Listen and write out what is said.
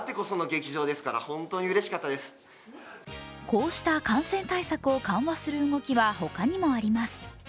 こうした感染対策を緩和する動きはほかにもあります。